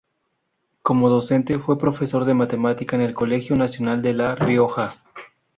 Como docente, fue profesor de matemática en el Colegio Nacional de La Rioja.